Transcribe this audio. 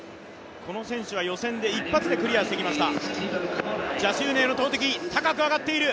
この選手は予選で一発でクリアしてきました。